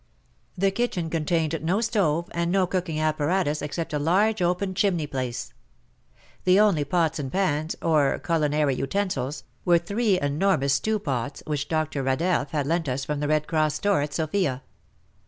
The kitchen contained no stove, and no cooking apparatus except a large open chimney place. The only pots and pans, or culinary utensils, were three enormous stew pots which Dr. Radeff had lent us from the Red Cross store at Sofia.